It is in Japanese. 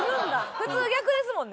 普通逆ですもんね。